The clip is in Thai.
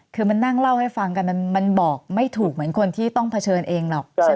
คือมันนั่งเล่าให้ฟังกันมันบอกไม่ถูกเหมือนคนที่ต้องเผชิญเองหรอกใช่ไหม